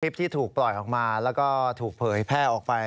ที่ถูกปล่อยออกมาแล้วก็ถูกเผยแพร่ออกไป